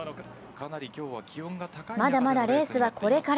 まだまだレースはこれから。